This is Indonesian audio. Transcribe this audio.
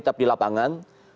tetap di lapangan